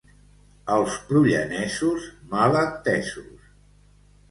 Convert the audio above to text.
Els prullanesos, mal entesos.